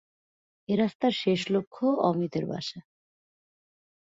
এ রাস্তার শেষ লক্ষ্য অমিতর বাসা।